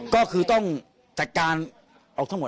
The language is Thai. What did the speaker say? ก็คือต้องจัดการออกทั้งหมด